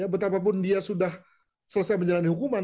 betapapun dia sudah selesai menjalani hukuman